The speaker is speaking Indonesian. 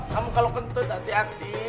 kamu kalau kentut hati hati